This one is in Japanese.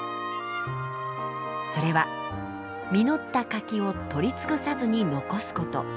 それは実った柿を採り尽くさずに残すこと。